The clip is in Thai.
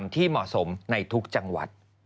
ที่เหมาะสมในทุกจังหวัด